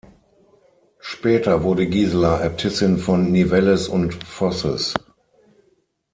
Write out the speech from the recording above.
Später wurde Gisela Äbtissin von Nivelles und Fosses.